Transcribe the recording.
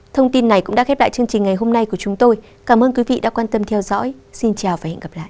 thông tin này cũng đã khép lại chương trình ngày hôm nay của chúng tôi cảm ơn quý vị đã quan tâm theo dõi xin chào và hẹn gặp lại